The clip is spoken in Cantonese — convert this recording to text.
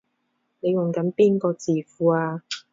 你用緊邊個字庫啊？